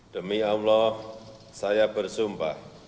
demi allah saya bersumpah